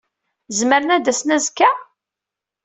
Zemren ad d-asen azekka?